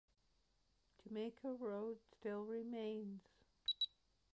Jamaica Road still remains.